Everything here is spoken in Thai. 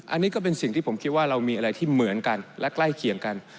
อันนี้ก็เป็นสิ่งที่ผมคิดว่าเรามีอะไรที่เหมือนกันและใกล้เคียงกัน